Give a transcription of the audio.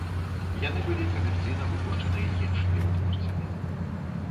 Яны былі камерцыйна выпушчаны іншымі вытворцамі.